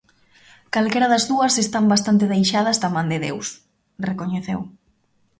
"Calquera das dúas están bastante deixadas da man de Deus", recoñeceu.